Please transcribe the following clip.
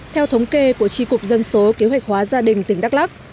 theo thống kê của tri cục dân số kế hoạch hóa gia đình tỉnh đắk lắc